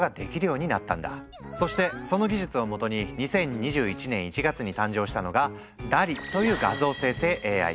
そしてその技術をもとに２０２１年１月に誕生したのがＤＡＬＬ・Ｅという画像生成ＡＩ。